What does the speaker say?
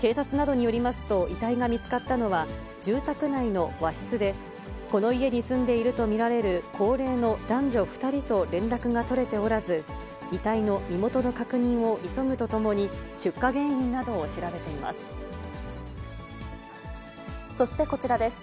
警察などによりますと、遺体が見つかったのは、住宅内の和室で、この家に住んでいると見られる高齢の男女２人と連絡が取れておらず、遺体の身元の確認を急ぐとともに、出火原因などを調べています。